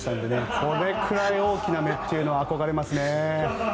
これくらい大きな目は憧れますね。